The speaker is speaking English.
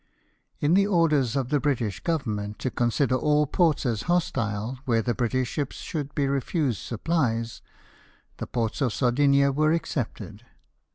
In the orders of the British Government to con sider all ports as hostile where the British ships should be refused supphes, the ports of Sardinia were excepted.